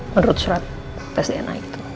menurut surat tes dna itu